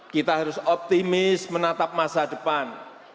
kita harus optimis menatap masa depan